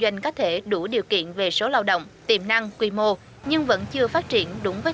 doanh có thể đủ điều kiện về số lao động tiềm năng quy mô nhưng vẫn chưa phát triển đúng với